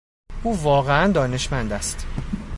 او واقعا دانشمند است.